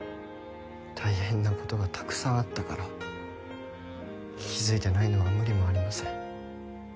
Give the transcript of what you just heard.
大変なことがたくさんあったから気付いてないのは無理もありません。